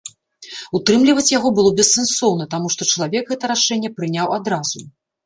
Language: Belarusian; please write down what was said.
Утрымліваць яго было бессэнсоўна, таму што чалавек гэта рашэнне прыняў адразу.